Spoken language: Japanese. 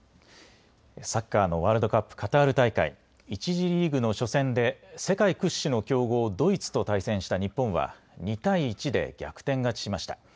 サッカーのワールドカップ、カタール大会、１次リーグの初戦で世界屈指の強豪ドイツと対戦した日本は２対１で逆転勝ちしました。